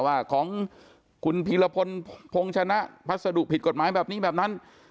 ว่าของคุณพีรพลพงษณะพัสดุผิดกฎหมายแบบนี้แบบนั้น